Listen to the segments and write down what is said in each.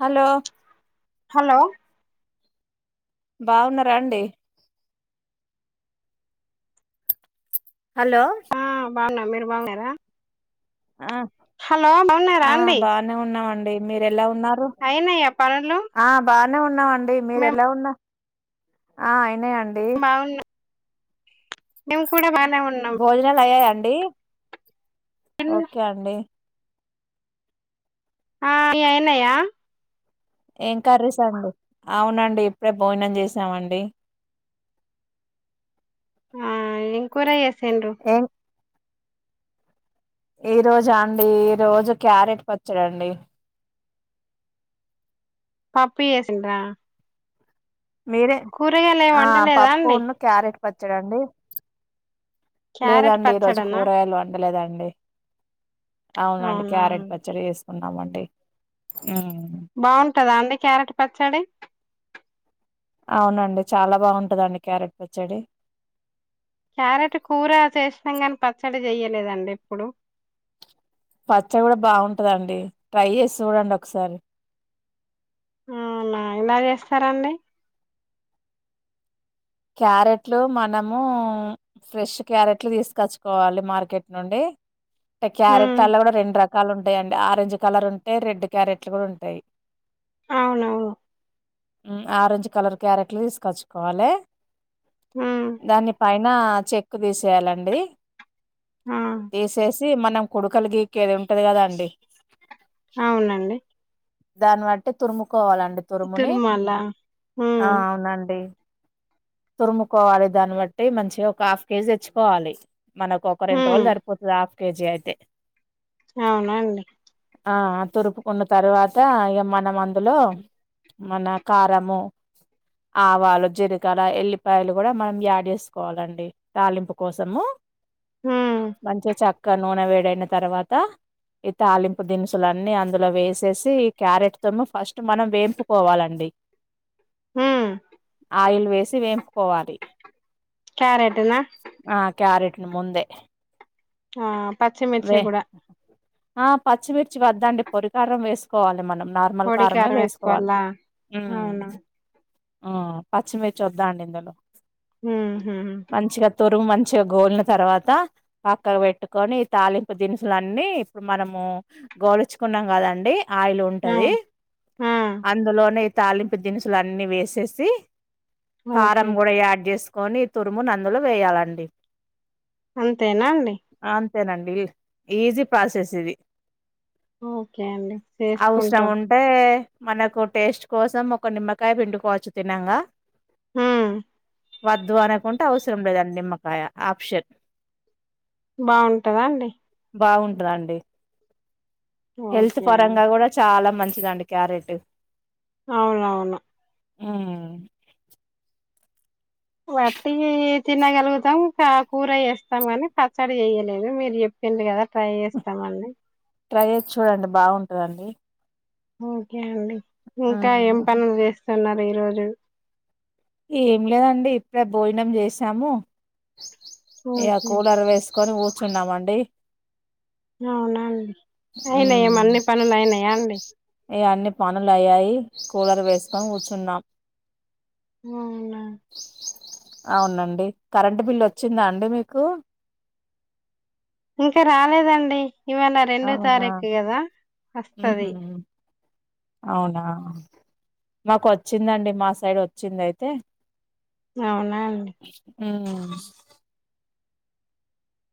Hello hello బావున్నారా అండి hello బాగున మీరు బావున్నారా హలో బావున్నారా ఆ అండి బానే ఉన్నామండి మీరు ఎలా ఉన్నారు అయినయ్యా పనులు ఆ బా నే ఉన్నామండి మీరు మేము ఎలా ఉన్నా ఆ అయినే అండి బావ్వున మేము కూడా బాగానే ఉన్నాం డీ పిన్- ఓకే అండి ఆ నీ అయ్యినయ ఏం కర్రీస్ అండి అవునండి ఇప్పుడే భోజనం చేసామండి ఆ ఏం కుర్ర చేసిండ్రు ఏం ఈ రోజు అండి ఈ రోజు క్యారెట్ పచ్చడి అండి పప్పు చేసిన మీరే ఆ వండలేదా అండి పప్పునూ క్యారెట్ వచ్చడండి క్యారెట్ లేదండి ఈరోజు పచ్చడనా కూరగాయలు వండలేదండి అవునండి అవునా క్యారెట్ అండి, పచ్చడి వేసుకున్నామండి బాగుంటదా అండి క్యారెట్ పచ్చడి అవునండి చాలా బాగుంటుందండి క్యారెట్ పచ్చడి క్యారెట్ కూర చేసినా నీ పచ్చడి చెయలేదండి ఎప్పుడు పచ్చడి కూడా బాగుంటదండి ట్రై చేసి చూడండి ఒకసారి ఆ ఎలా చేస్తారండి క్యారెట్లు మనము ఫ్రెష్ క్యారెట్లు తీసుకొచ్చుకోవాలి మార్కెట్ నుండి ఇ ఉమ్ క్యారెట్లలోనే కూడా రెండు రకాలు ఉంటయి ఉంటాయండి ఆరెంజ్ కలర్ ఉంటాయి రెడ్ క్యారెట్లు కూడా ఉంటాయి అవునవును ఆరెంజ్ కలర్ క్యారెట్లు తీసుకొచ్చుకోవాలే ఉమ్ దాని పైన చెక్ తీసేయాలండి ఆ తీసేసి మనం కొడుకలు గీకేది ఉంటాది కదాండి అవునండి దాన్ని బట్టి తురుముకోవాలండి తురుముని తురుమల ఆ ఉమ్ అవునండి తురుముకోవాలి దాన్ని బట్టి మంచిగా ఒక హాఫ్ కేజీ తెచ్చుకోవాలి మనకు ఒక రెండు హ్మ్ రోజులు సరిపోతాది హాఫ్ కేజీ అయితే అవున అండి ఆ తురుపుకున్న తర్వాత మనం అందులో మన కారము ఆవాలు జీలకర్ర ఎల్లిపాయలు కూడా మనం యాడ్ చేసుకోవాలండి తాలింపు కోసము హ్మ్. మంచిగా చాక్ ఇక నూనె వేడైన తర్వాత ఈ తాలింపు దినుసులన్నీ అందులో వేసేసి క్యారెట్ తోరుము ఫస్ట్ మనం వేంపుకోవాలండి హ్మ్. ఆయిల్ వేసి వేంపుకోవాలి క్యారేట్ నా ఆ క్యారెట్ను ముందే ఆ పచ్చిమిర్చి వే కూడా ఆ పచ్చిమిర్చి వద్దండి పొడికారం వేసుకోవాలి మనం నార్మల్ పొడి కారమే కారం వేసుకోవాలి వేసుకోవాలా? మ్మ్ అవునా? ఆ పచ్చిమిర్చి వద్దా అండి ఇందులో మ్మ్ హ్మ్ తురుగు మంచిగా గోరిన తర్వాత పక్కకు పెట్టుకొని తాలింపు దినుసులన్నీ ఇప్పుడు మనము గోలుచుకున్నాం కదండి ఆయిల్ ఆ! ఉంటాది ఆ! అందులోనే ఇ తాలింపు దినుసులు అన్ని వేసేసి కారం ఓకే. కూడా యాడ్ చేసుకొని ఈ తురుము ని అందులో వేయాలండి అంతేనా అండి అంతేనండి ఈజీ ప్రాసెస్ ఇది ఓకే అండి. అవసరం చేసుకుంటాం. ఉంటే మనకు టేస్ట్ కోసం ఒక నిమ్మకాయ పిండుకోవచ్చు తినంగా ఆ వద్దు అనుకుంటే అవసరం లేదండి నిమ్మకాయ ఆప్షన్ బాగుంటదా అండి బాగుంటదండి హెల్త్ ఓకే అండి. పరంగా కూడా చాలా మంచిదండి క్యారెట్ అవునవును హ్మ్. వట్టివి తినగలుగుతాం కూర వేస్తాం గాని పచ్చడి చేయలేదే మీరు చె పెండ్లి కదా ట్రై చేస్తామండి ట్రై చేసి చూడండి బాగుంటదండి ఓకే అండి ఇంకా ఏం హ్మ్. పనులు చేస్తున్నారు ఈరోజు ఏం లేదండి ఇప్పుడే భోజనం చేసాము ఇక ఓకే. కూలర్ వేస్ కొని కూర్చున్నామండి అవునా అండి? అయినయా మ్మ్ అన్ని పనులు అయినాయా అండి ఇగ అన్ని పనులు అయ్యాయి కూలర్ వేసుకొని కూర్చున్నాం అవునా [unintelligible] అవునండి కరెంట్ బిల్ వచ్చిందా అండి మీకు? ఇంకా రాలేదండి ఇవాళ రెండో అవునా తారీఖు కదా వస్తాది. హుహు. అవునా, మాకు వచ్చిందండి మా సైడ్ వచ్చింది అయితే అవునా అండి మ్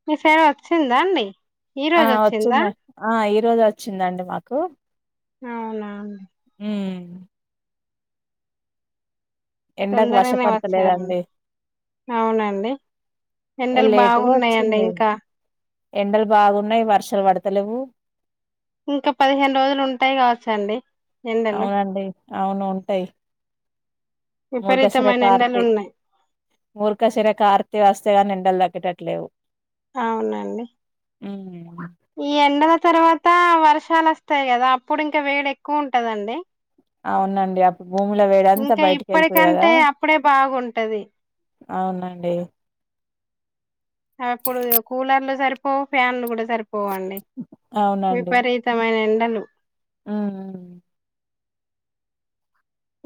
మీ పేరు వచ్చిందాడి? ఆ వచ్చింది. ఆ ఈ రోజే వచ్చిందండి మాకు. అవునా అండి మ్ ఎండకు వర్షం తొందరగానే పడతాలేదండి. వచ్చారండి అవునండి ఏ ఎండలు లేటుగా బాగున్నాయండి వచ్చింది. ఇంకా ఎండలు బాగున్నాయి వర్షాలు పడతాలేవు. ఇంకా పదిహేను రోజులు ఉంటాయి కావచ్చ అండి. అవునండి అవును ఉంటాయి. మృగశిర విపరీతమైన ఎండలు కార్తి ఉన్నాయి మృగశిర కార్తి వస్తే గాని ఎండలు తగ్గేటట్లేవు. అవునండి మ్ ఈ ఎండల తర్వాత వర్షాలు వస్తాయి కదా? అప్పుడు ఇంకా వేడి ఎక్కువ ఉంటాదండి. ఆవునండి, అప్పుడు భూమిలో వేడింతా ఇంకా బయటికి వెళ్తాది కదా ఇప్పటికంటే అప్పుడే బాగుంటది అవునండి అప్పుడు కూలర్లు సరిపోవు, ఫ్యాన్లు కూడా సరిపోవు. పోవండి. విపరీతమైన ఎండలు. మ్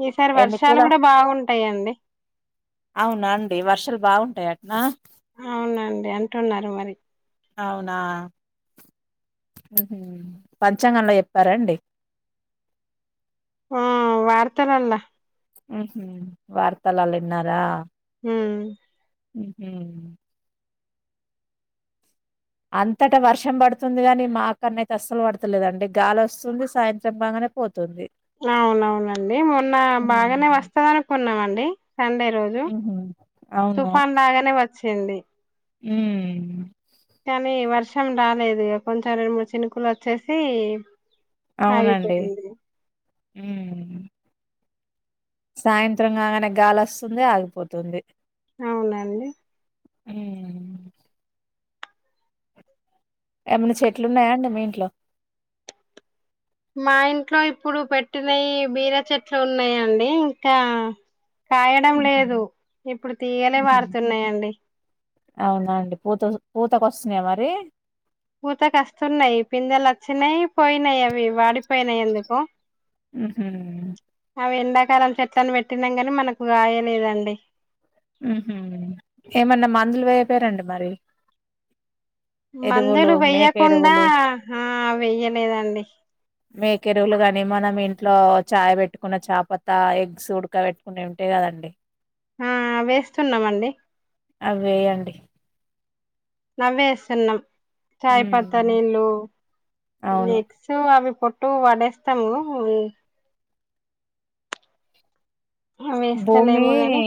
ఈసారి ఎన్ని వర్షాలు కూల కూడా బాగుంటాయండి. అవునా అండి, వర్షాలు బాగుంటాయి అంటనా? అవునండి అంటున్నారు మరి. అవునా పంచాంగంలో చెప్పారాండి? ఆ వార్తలలో ఉ వార్తలాలో చెప్పినారా? మ్ [inaudible] అంతటా వర్షం పడుతుంది గాని, మాకాన్నయితే అస్సలు పడతాలేదండి గాలి వస్తుంది సాయంత్రం బాగానే పోతుంది అవునవునండి మొన్న బాగానే హ్మ్. వస్తాది అనుకున్నామండి సండే రోజు హుహు. తుఫాన్ లాగానే వచ్చింది. మ్ కానీ వర్షం రాలేదు ఇగ. కొంచెం రెండు మూడు చినుకులు వచ్చేసి ఆగిపోయింది. మ్ సాయంత్రం కాగానే గాలి వస్తుంది ఆగిపోతుంది. అవునాండి మ్మ్ ఏమన్నా చెట్లున్నాయా అండి మీ ఇంట్లో మా ఇంట్లో ఇప్పుడు పెట్టినయ్యి బీర చెట్లు ఉన్నాయండి ఇంకా కాయడం హుహు. లేదు ఇప్పుడు తీయలే పారుతున్నాయండి అవునాండి పూత పూతకు వస్తున్నాయా మరి పూత కస్తునయ్ పిందే లొచ్చి నై పోయినయి అవి వాడిపోయిని ఎందుకో హుహు. అవి ఎండక్ కారం చెట్లలను పెట్టినాం కానీ మనకు గాయ లేదండి మ్ హు ఏమన్నా మందులు వెయపోయరండి మరి ఎరువులు, మందులు మేక వెయ్యకుండా ఎరువులు? ఆ వెయ్యలేదండి మేకెరువులు గాని మనం ఇంట్లో చాయ పెట్టుకున్న చాపతా ఎగ్స్ ఉడక పెట్టుకునే ఉంటయి కదా అండి ఆ వేస్తున్నామండి అవేయండి ఆ వేస్తున్నాం చాయ్ ఉమ్ పత్తా నీళ్ళు అవును ఎగ్స్ అవి పట్టు వడేస్తము భూమీ వేస్తలేము గాని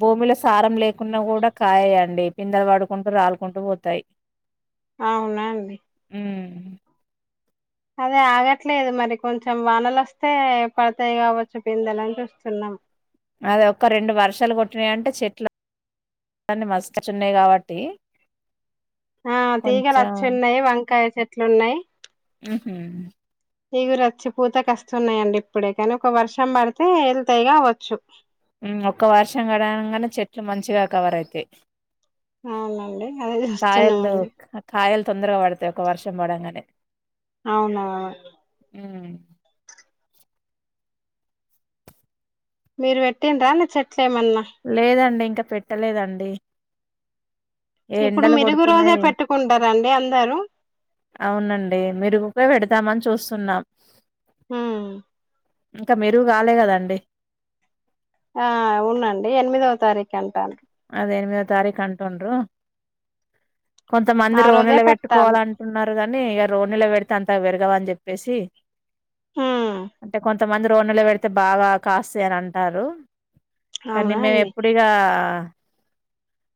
భూమిల సారం లేకున్నా కూడా కాయండి పిందర పడుకుంటూ రాలుకుంటూ పోతాయి అవునా అండి మ్ అదే ఆగట్లేదు మరి కొంచెం వానలు వస్తే పడతాయి కావచ్చు పిందెలని చూస్తున్నాం అద ఒక్క రెండు వర్షాలు కొట్టినాయింటే చెట్లు కాన్ని మస్తు చిన్నాయి కాబట్టి ఆ కొంచెం తీగలచ్చి ఉన్నాయి వంకాయ చెట్లు ఉన్నాయి మ్ హు ఇగురు వచ్చి పూత కస్తున్నాయండి ఇప్పుడే కానీ ఒక వర్షం పడితే ఎల్తీగా అవచ్చు ఒక్క వర్షం పడంగనే చెట్లు మంచిగా కవర్ అయితాయి అవునండి అదే కాయల్ దు చూస్తున్నామండి కాయల్ తొందరగా పడతాయి ఒక వర్షం పడంగనే అవునా మ్మ్ మీరు పెట్టిండ్ర న చెట్ లేదండి ఇంకా పెట్టలేదండి ఇప్పుడు ఎండలు మెరుగు రోజే కొడుతున్నాయి పెట్టుకుంటారండి అందరూ అవునండి మెరుగుకే పెడతామని చూస్తున్నాం హ్మ్ ఇంకా మెరుగు కాలే కదండి ఆ అవునండి ఎనిమిదవ తారీఖు అంటాడ్రు అ ఎనిమిదో తారీఖు అంటుండ్రు కొంతమంది ఆ రోజే రోనిలో పెట్టుకోవాల పెట్టాలి అంటున్నారు గానీ ఇక రోనిలో పెడితే అంత విరగవ్ అని చెప్పేసి ఉమ్ అంటే కొంతమంది రోనిలో పెడితే బాగా కాస్తాయ్ అని అంటారు కానీ అవునా మేము అండి ఎప్పుడిగా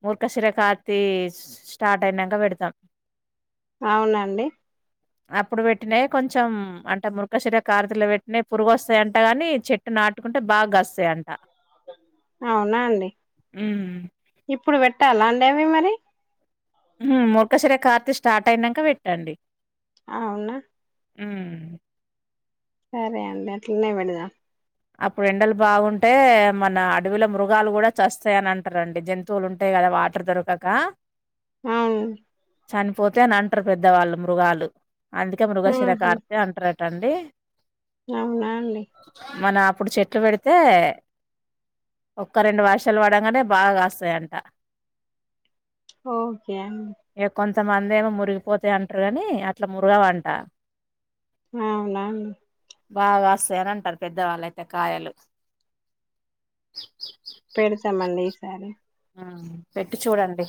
మూర్ఖ శిరకార్తి స్టార్ట్ అయినాక పెడతాం అవునాండి అప్పుడు పెట్టినయే కొంచెం అంటే మృఖశిర కార్తెలో పెట్టినయ్ పురుగు వస్తాయి అంట గాని చెట్టున నాటుకుంటే బాగా కాస్తాయంట అవునా అండి ఉమ్ ఇప్పుడు పెట్టాలా అండి అవి మరి హుమ్ మొఖసర కార్తి స్టార్ట్ అయినాంక పెట్టండి ఆవునా ఉమ్ సరే అండి అట్లనే పెడదా అప్పుడు ఎండలు బాగుంటే మన అడవులో మృగాలు కూడా చస్తాయ్ అని అంటారండి జంతువులు ఉంటే కదా వాటర్ దొరకకా ఆవ్ చనిపోతే అని అంటారు, పెద్దవాళ్ళు మృగాలు అందుకే మృగశిర ఆహా కార్తీ అని అంటారట అండి అవునా అండి మన అప్పుడు చెట్లు పెడితే ఒక్క రెండు వర్షాలు పడగానే బాగా కాస్తాయంట ఓకే అండి కొంతమంది ఏమో మురిగిపోతాయ్ అంటారు కాని అట్లా మురుగవంట అవునా అండి బాగా కాస్తాయని అంటారు పెద్దవాళ్ళు అయితే కాయలు పెడతామండి ఈ సారి ఉమ్ పెట్టి చూడండి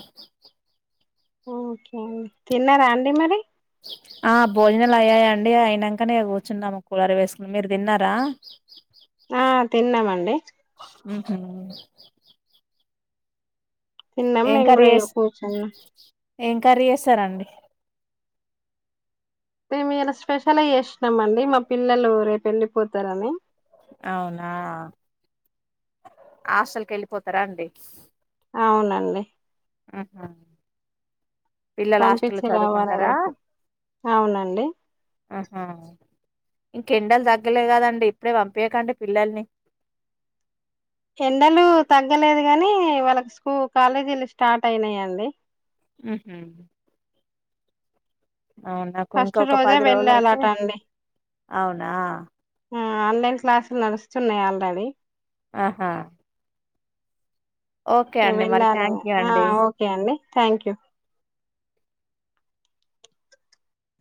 ఓకే అండి తిన్నారా అండి మరి? ఆ భోజనాలు అయ్యాయండి. అయినాంకనే కూర్చున్నాము కూలర్ వేసుకొ మీరు తిన్నారా? ఆ తిన్నామండి. ఊహు తిన్నాం ఏం మేము కర్రీ కూడా ఇగ చేస్ కూర్చున్నాం ఏం కర్రీ చేస్తారండి? మేము ఇయ్యాలా స్పెషల్ చేసినం అండి మా పిల్లలు రేపు వెళ్ళిపోతారని అవునా హాస్టల్ కి వెళ్ళిపోతారా అండి. అవునండి. ఆహా పిల్లలు హాస్టల్ పంపించి రావాలి చదువుకుంటారా రేపు అవునండి ఆహా! ఇంకెండలు తగ్గలే కదండి ఇప్పుడే పంపియకండి పిల్లల్ని ఎండలు తగ్గలేదు గానీ వాళ్ళకి స్కూ కాలేజీలు స్టార్ట్ అయినాయండి ఊహు ఫస్ట్ ఇంకొక రోజే పది రోజులు అయితే వెళ్ళాలట అండి అవునా ఆన్లైన్ క్లాసులు నడుస్తున్నాయ్ ఆల్రెడీ ఆహా ఓకే నేను అండి మరి వెళ్ళాలని థ్యాంక్ యూ ఆ అండి ఓకే అండి థ్యాంక్యూ